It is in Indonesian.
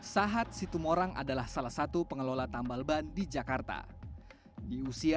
sahad sitaram orang adalah salah satu pengelola tambal ban di jakarta di usia